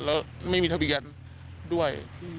แล้วไม่มีทะเบียนด้วย